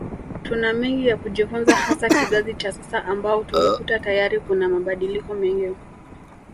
Tuna mengi ya kujifunza hasa kizazi cha sasa ambao tumekuta tayari kuna mabadiliko mengi